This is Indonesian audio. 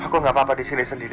aku nggak apa apa di sini sendiri